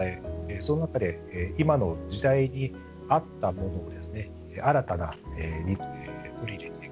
その中で今の時代に合ったものを新たに取り入れていく。